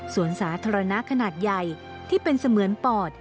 ส่วนสาธารณะขนาดใหญ่ที่เป็นเสมือนปอด